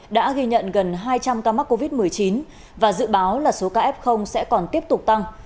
đã ghi nhận gần hai trăm linh ca mắc covid một mươi chín và dự báo là số ca f sẽ còn tiếp tục tăng